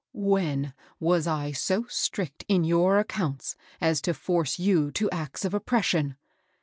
" When was Iso strict in your accounts as to force you to acts of oppression?"